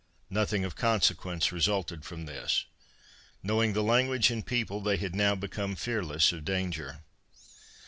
Nothing of consequence resulted from this. Knowing the language and people they had now become fearless of danger.